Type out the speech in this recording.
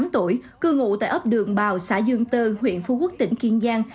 một mươi tám tuổi cư ngụ tại ấp đường bào xã dương tơ huyện phú quốc tỉnh kiên giang